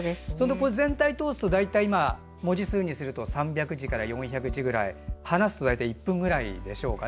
全体を通すと大体、文字数にすると３００字から４００字くらい話すと大体１分くらいでしょうか。